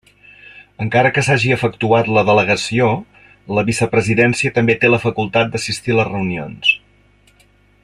Encara que s'hagi efectuat la delegació la Vicepresidència també té la facultat d'assistir a les reunions.